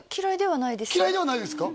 嫌いではないですか？